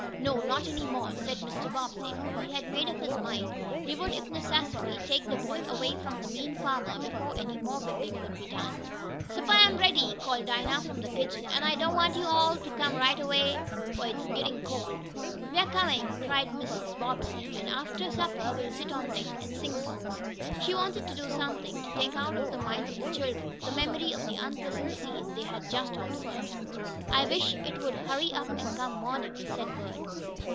"No, not any more," said Mr. Bobbsey, for he had made up his mind he would, if necessary, take the boy away from the mean farmer before any more whipping could be done. "Suppah am ready!" called Dinah from the kitchen. "An' I done wants yo' all t' come right away fo' it gits cold!" "We're coming!" cried Mrs. Bobbsey. "And after supper we'll sit on deck and sing songs." She wanted to do something to take out of the minds of the children the memory of the unpleasant scene they had just observed. "I wish it would hurry up and come morning," said Bert.